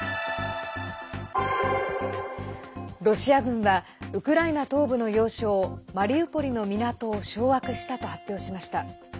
ロシア軍はウクライナ東部の要衝マリウポリの港を掌握したと発表しました。